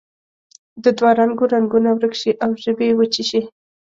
د دوه رنګو رنګونه ورک شي او ژبې یې وچې شي.